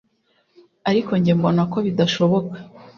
Ariko jye mbona ko bidashoboka